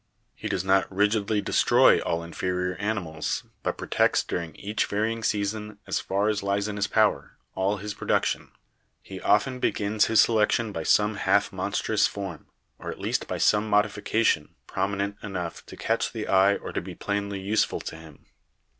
He does FACTORS OF EVOLUTION— SELECTION 201 not rigidly destroy all inferior animals, but protects dur ing each varying season, as far as lies in his power, all his productions. He often begins his selection by some half monstrous form; or at least by some modification, prominent enough to catch the eye or to be plainly useful to him.